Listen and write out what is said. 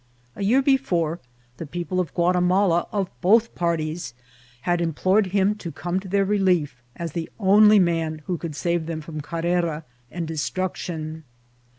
A year before, the people of Guatimala, of both par ties, had implored him to come to their relief, as the only man who could save them from Carrera and de struction.